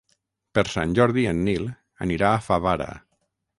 Per Sant Jordi en Nil anirà a Favara.